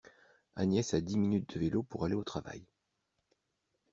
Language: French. Agnès a dix minutes de vélo pour aller au travail.